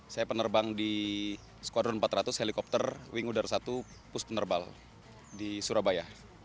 saya penerbang di skuadron empat ratus helikopter wing udara satu pus penerbal di surabaya